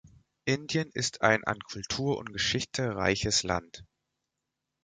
Indien ist ein an Kultur und Geschichte reiches Land.